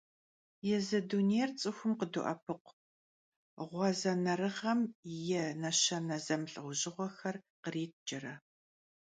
Yêzı dunêyr ts'ıxum khıdo'epıkhu, ğuazenerığem yi neşene zemılh'eujığuexer khritç'ere.